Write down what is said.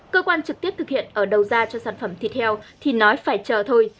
cơ quan trực tiếp thực hiện ở đầu ra cho sản phẩm thịt heo thì nói phải chờ thôi